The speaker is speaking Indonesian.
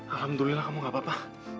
alhamdulillah kamu gak apa apa